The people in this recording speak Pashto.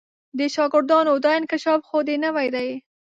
د شاګردانو دا انکشاف خو دې نوی دی.